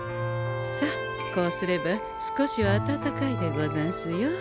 さあこうすれば少しはあたたかいでござんすよ。